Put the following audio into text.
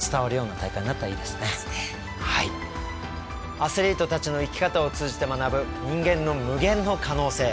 アスリートたちの生き方を通じて学ぶ人間の無限の可能性。